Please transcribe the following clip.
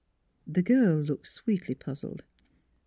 The girl looked sweetly puzzled.